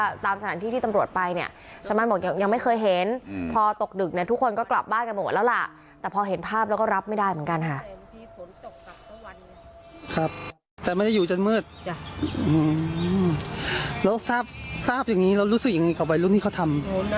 ที่นี่ตามสถานที่ที่ตำรวจไปเนี่ยชาวบ้านบอกว่า